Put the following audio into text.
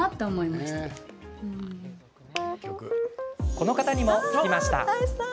この方にも聞きました。